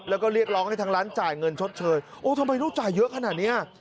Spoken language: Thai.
แล้วก็เรียกร้องให้ทางร้านจ่ายเงินชดเชยโอ้ทำไมลูกจ่ายเยอะขนาดเนี้ย